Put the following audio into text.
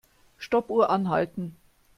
Stoppuhr anhalten.